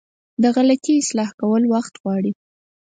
د غلطي اصلاح کول وخت غواړي.